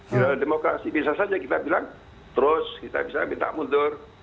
di dalam demokrasi bisa saja kita bilang terus kita bisa minta mundur